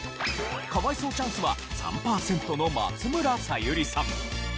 可哀想チャンスは３パーセントの松村沙友理さん。